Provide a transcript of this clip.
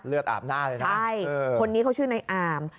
เลือดอาบหน้าเลยนะเออใช่คนนี้เขาชื่อนายอาม